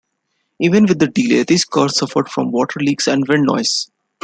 Even with the delay, these cars suffered from water leaks and wind noise.